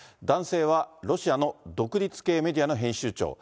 男性はロシアの独立系メディアの編集長。